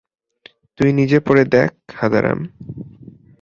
তুই নিজে পড়ে দেখ, হাঁদারাম।